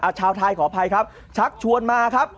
ชาวไทยขออภัยครับชักชวนมาครับ